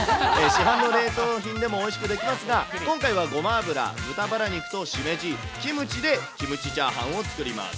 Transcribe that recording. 市販の冷凍品でもおいしくできますが、今回はごま油、豚バラ肉とシメジ、キムチでキムチチャーハンを作ります。